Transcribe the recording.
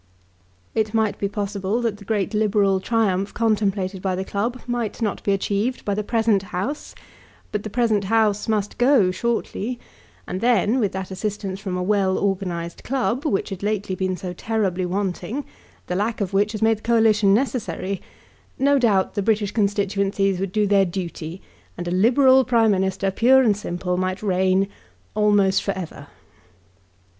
It might be possible that the great Liberal triumph contemplated by the club might not be achieved by the present House; but the present House must go shortly, and then, with that assistance from a well organised club, which had lately been so terribly wanting, the lack of which had made the Coalition necessary, no doubt the British constituencies would do their duty, and a Liberal Prime Minister, pure and simple, might reign, almost for ever.